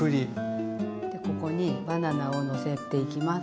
ここにバナナをのせていきます。